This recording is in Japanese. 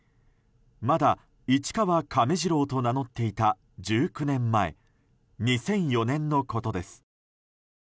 まだ市川亀治郎と名乗っていた１９年前２００４年のことです。